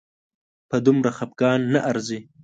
په دومره خپګان نه ارزي